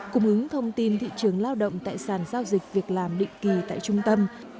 cung ứng thông tin thị trường lao động tại sàn giao dịch việc làm định kỳ tại trung tâm